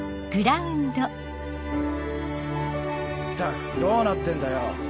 ったくどうなってんだよ。